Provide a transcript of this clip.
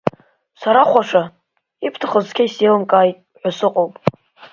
Сарахәаша, ибҭахыз цқьа исзеилымкааит ҳәа сыҟоуп!